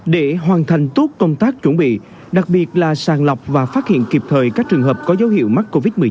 để hoàn thành tốt công tác chuẩn bị đặc biệt là sàng lọc và phát hiện kịp thời các trường hợp có dấu hiệu mắc covid một mươi chín